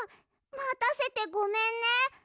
またせてごめんね！